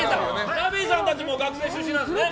ラビーさんたちも学生出身なんですね。